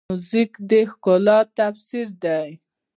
موزیک د ښکلا تفسیر دی.